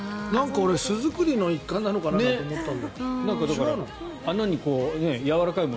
俺、巣作りの一環なのかなと思ったけど違うの？